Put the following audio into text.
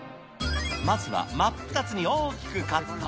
まずは、真っ二つに大きくカット。